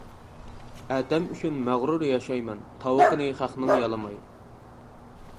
ئەتەم ئۈچۈن مەغرۇر ياشايمەن تاۋىقىنى خەقنىڭ يالىماي.